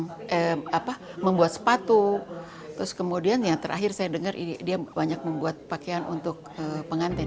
saya membuat sepatu terus kemudian yang terakhir saya dengar dia banyak membuat pakaian untuk pengantin